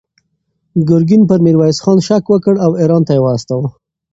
ګورګین پر میرویس خان شک وکړ او ایران ته یې واستاوه.